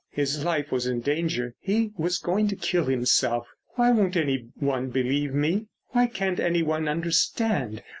His life was in danger. He was going to kill himself. Why won't anyone believe—why can't anyone understand?